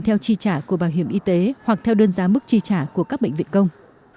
theo chi trả của bảo hiểm y tế hoặc theo đơn giá mức chi trả của các bệnh viện công